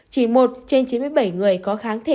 chỉ một trên chín mươi bảy người có kháng thể